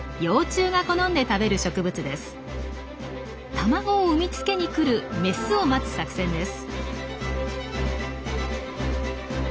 卵を産み付けに来るメスを待つ作戦です。